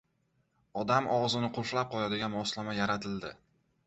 Odam og‘zini qulflab qo‘yadigan moslama yaratildi